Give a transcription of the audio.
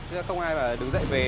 chứ không ai mà đứng dậy về